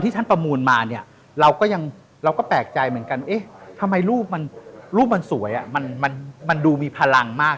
ท่านประมูลมาเราก็แปลกใจเหมือนกันทำไมรูปมันสวยมันดูมีพลังมาก